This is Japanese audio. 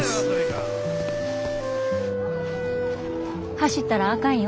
走ったらあかんよ。